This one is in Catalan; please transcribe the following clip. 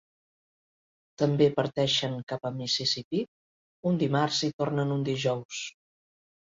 També parteixen cap a Mississippi un dimarts i tornen un dijous.